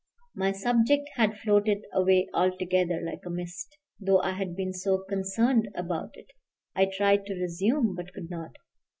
My subject had floated away altogether like a mist, though I had been so concerned about it. I tried to resume, but could not.